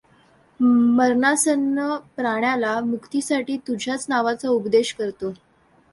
मरणासन्न प्राण्याला मुक्तीसाठी तुझ्याच नावाचा उपदेश करतो.